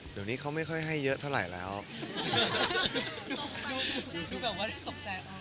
เดี๋ยวนี้เขาไม่ค่อยให้เยอะเท่าไหร่แล้วดูดูแบบว่าตกใจมาก